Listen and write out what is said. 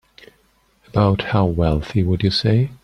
About how wealthy would you say?